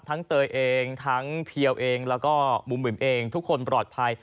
เตยเองทั้งเพียวเองแล้วก็บุ๋มบึมเองทุกคนปลอดภัย